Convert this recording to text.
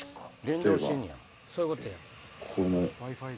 そういうことや。